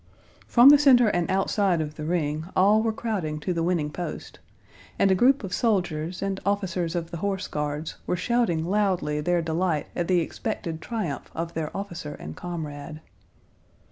From the center and outside of the ring all were crowding to the winning post, and a group of soldiers and officers of the horse guards were shouting loudly their delight at the expected triumph of their officer and comrade.